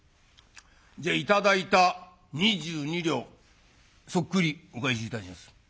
じゃ頂いた２２両そっくりお返しいたしやす。